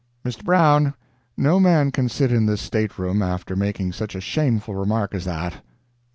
"Mr. Brown, no man can sit in this state room after making such a shameful remark as that.